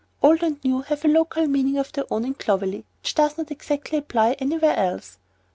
"Old" and "new" have a local meaning of their own in Clovelly which does not exactly apply anywhere else.